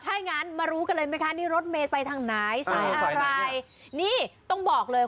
ถ้างั้นมารู้กันเลยไหมคะนี่รถเมย์ไปทางไหนสายอะไรนี่ต้องบอกเลย